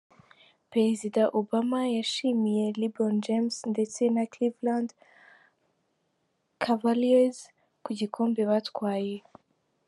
Perezida Obama yashimiye LeBron James ndetse na Cleveland Cavaliers ku gikombe batwaye.